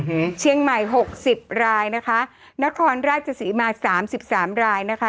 เชียงใหม่หกสิบรายนะคะนครราชสีมาสามสิบสามรายนะคะ